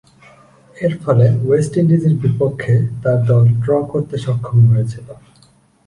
এরফলে, ওয়েস্ট ইন্ডিজের বিপক্ষে তার দল ড্র করতে সক্ষম হয়েছিল।